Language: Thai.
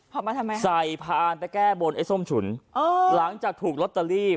พอมาทำไมใส่พานไปแก้บนไอ้ส้มฉุนเออหลังจากถูกลอตเตอรี่